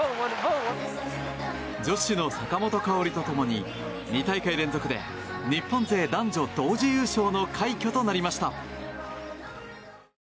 女子の坂本花織と共に２大会連続で日本勢男女同時優勝の快挙となりました。